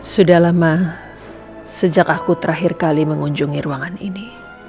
sudah lama sejak aku terakhir kali mengunjungi ruangan ini